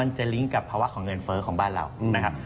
จะลิงก์กับภาวะของเงินเฟ้อของบ้านเรานะครับ